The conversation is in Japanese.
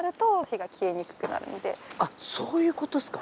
あっそういうことっすか。